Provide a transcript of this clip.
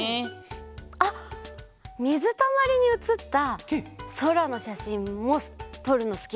あっみずたまりにうつったそらのしゃしんもとるのすきだった。